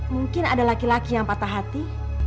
mungkin ada laki laki yang patah hati